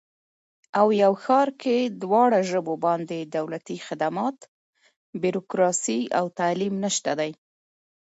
او یو ښار کې دواړه ژبو باندې دولتي خدمات، بیروکراسي او تعلیم نشته دی